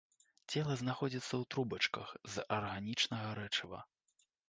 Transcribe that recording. Цела знаходзіцца ў трубачках з арганічнага рэчыва.